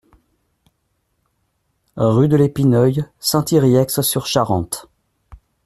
Rue de l'Épineuil, Saint-Yrieix-sur-Charente